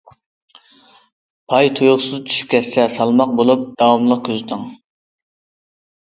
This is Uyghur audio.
پاي تۇيۇقسىز چۈشۈپ كەتسە سالماق بولۇپ، داۋاملىق كۆزىتىڭ.